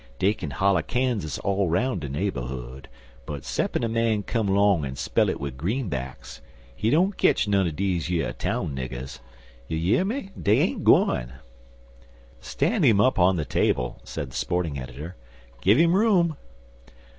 Dey kin holler Kansas all 'roun' de naberhood, but ceppin' a man come 'long an' spell it wid greenbacks, he don't ketch none er deze yer town niggers. You year me, dey ain't gwine." "Stand him up on the table," said the Sporting editor; "give him room."